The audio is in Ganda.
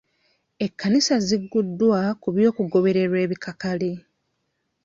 Ekkanisa zigguddwa ku by'okugobererwa ebikakali.